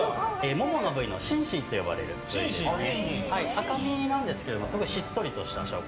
モモの部位のシンシンといわれる部位です。